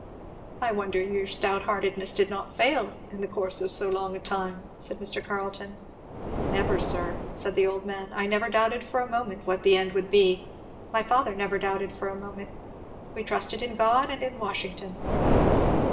"I wonder your stout heartedness did not fail, in the course of so long a time," said Mr. Carleton. "Never sir!" said the old gentleman. "I never doubted for a moment what the end would be. My father never doubted for a moment. We trusted in God and in Washington!"